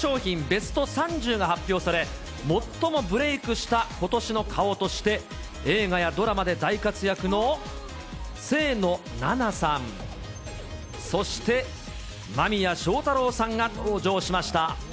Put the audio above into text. ベスト３０が発表され、最もブレークした今年の顔として、映画やドラマで大活躍の清野菜名さん、そして間宮祥太朗さんが登場しました。